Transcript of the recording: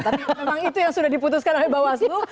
tapi memang itu yang sudah diputuskan oleh bawaslu